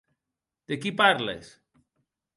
De qui parles?